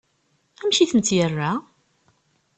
Amek i tent-yerra?